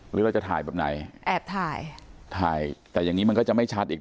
หรือเราจะถ่ายแบบไหนแอบถ่ายถ่ายแต่อย่างงี้มันก็จะไม่ชัดอีก